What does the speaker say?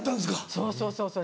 そうそうそうそう